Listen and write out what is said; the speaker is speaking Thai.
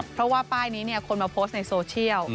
เพราะว่าป้ายนี้คนมาโพสต์ในโซเชียล